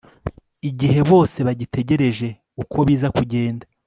igihe bose bagitegereje uko biza kugenda